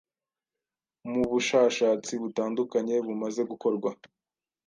Mu bushashatsi butandukanye bumaze gukorwa,